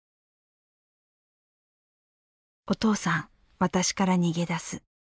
「お父さん、私から逃げ出す。